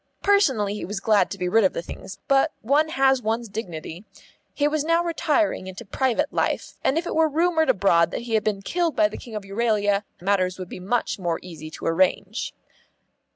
Personally he was glad to be rid of the things, but one has one's dignity. He was now retiring into private life, and if it were rumoured abroad that he had been killed by the King of Euralia matters would be much more easy to arrange.